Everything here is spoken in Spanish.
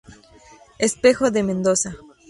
Espejo" de Mendoza.